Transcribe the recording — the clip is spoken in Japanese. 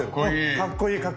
かっこいい！